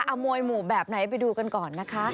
เอามวยหมู่แบบไหนไปดูกันก่อนนะคะ